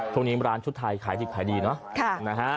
ตรงนี้ร้านชุดไทยขายดีเนอะ